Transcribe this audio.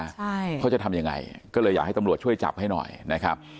ใช่เขาจะทำยังไงก็เลยอยากให้ตำรวจช่วยจับให้หน่อยนะครับ